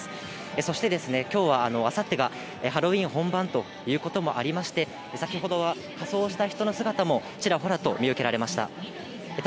そして、きょうは、あさってがハロウィーン本番ということもありまして、先ほどは仮装した人の姿も、ちらほらと見受けられました。